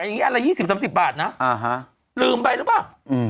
อันนี้อันละ๒๐๓๐บาทนะลืมไปหรือเปล่า